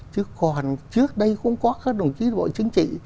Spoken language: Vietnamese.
chứ còn trước đây cũng có các đồng chí bộ chính trị